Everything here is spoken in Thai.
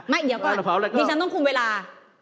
เดี๋ยวก่อนดิฉันต้องคุมเวลา